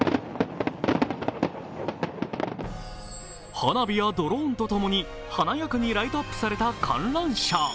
花火やドローンとともに華やかにライトアップされた観覧車。